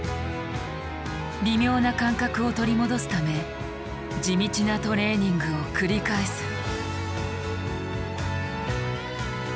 微妙な感覚を取り戻すため地道なトレーニングを繰り返す。